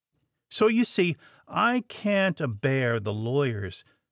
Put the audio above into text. So, you see, I can't a bear the lawyers.